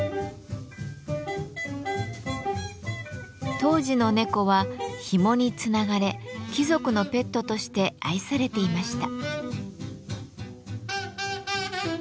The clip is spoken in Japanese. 当時の猫はひもにつながれ貴族のペットとして愛されていました。